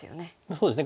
そうですね